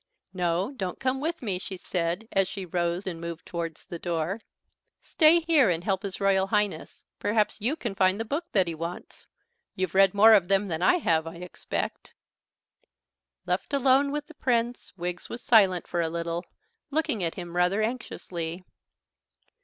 No, don't come with me," she said, as she rose and moved towards the door; "stay here and help his Royal Highness. Perhaps you can find the book that he wants; you've read more of them than I have, I expect." Left alone with the Prince, Wiggs was silent for a little, looking at him rather anxiously.